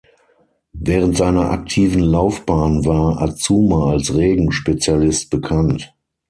Während seiner aktiven Laufbahn war Azuma als Regen-Spezialist bekannt.